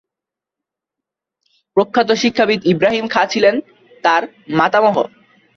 প্রখ্যাত শিক্ষাবিদ ইবরাহীম খাঁ ছিলেন তার মাতামহ।